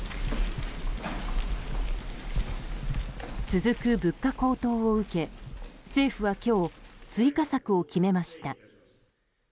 続く物価高騰を受け政府は今日追加策を決めました。